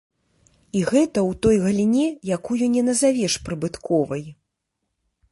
І гэта ў той галіне, якую не назавеш прыбытковай.